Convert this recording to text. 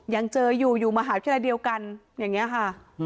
ยังเจออยู่อยู่มหาวิทยาลัยเดียวกันอย่างนี้ค่ะ